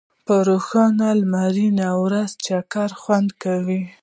په روښانه لمرینه ورځ چکر خوند کوي.